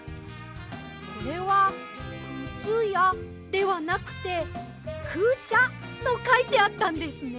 これは「クツヤ」ではなくて「クシャ」とかいてあったんですね。